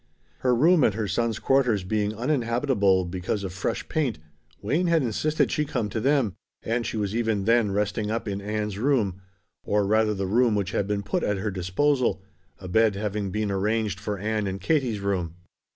Her room at her son's quarters being uninhabitable because of fresh paint, Wayne had insisted she come to them, and she was even then resting up in Ann's room, or rather the room which had been put at her disposal, a bed having been arranged for Ann in Katie's room.